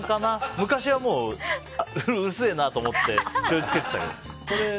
昔はうっせえなと思ってしょうゆつけてたけど。